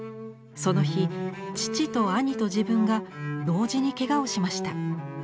その日父と兄と自分が同時にケガをしました。